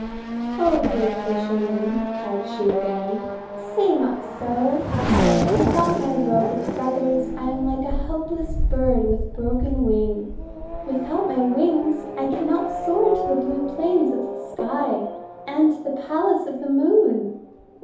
"0 dear fisherman!" cried she again, "say not 98 THE WONDER GARDEN so! Without my Robe of Feathers I am like a helpless bird with broken wing. Without my wings I cannot soar to the blue plains of the sky, and to the Palace of the Moon."